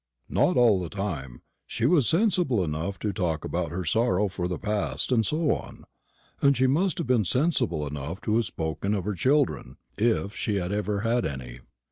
"Not all the time. She was sensible enough to talk about her sorrow for the past, and so on; and she must have been sensible enough to have spoken of her children, if she had ever had any.